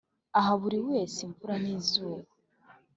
Aha buri wese imvura n izuba